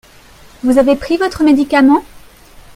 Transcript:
Vous avez pris votre médicament ?